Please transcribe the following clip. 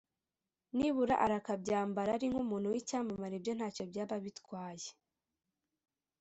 nibura arakabyambara ari nk’umuntu w’icyamamare byo ntacyo byaba bitwaye